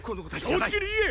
正直に言え！